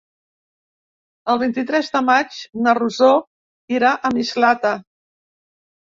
El vint-i-tres de maig na Rosó irà a Mislata.